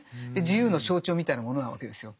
自由の象徴みたいなものなわけですよ。